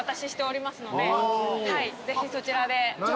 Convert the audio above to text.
ぜひそちらで。